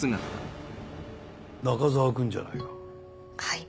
中沢くんじゃないか。